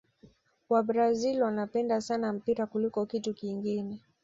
wabrazil wanapenda sana mpira kuliko kitu kingine